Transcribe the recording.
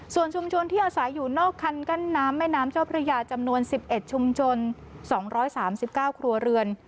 ส่วนชุมชนที่อาศัยอยู่นอกคันกั้นน้ำแม่น้ำเจ้าพระยาจำนวน๑๑ชุมชน๒๓๙ครัวเรือน